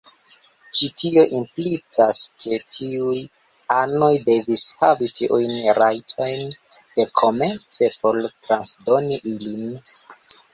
Ĉi tio implicas ke tiuj anoj devis havi tiujn rajtojn dekomence por transdoni ilin.